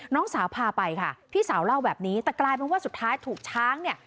น้องสาวพาไปค่ะพี่สาวเล่าแบบนี้แต่กลายเป็นว่าสุดท้ายถูกช้างเนี่ย